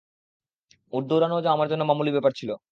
উট দৌড়ানোও আমার জন্য মামুলী ব্যাপার ছিল।